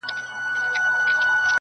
پاس توتكۍ راپسي مه ږغـوه.